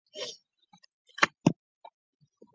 赠太子少保。